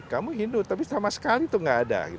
kamu hindu tapi sama sekali itu nggak ada